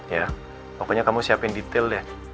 ya pokoknya kamu siapin detail ya